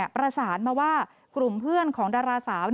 ประสานมาว่ากลุ่มเพื่อนของดาราสาว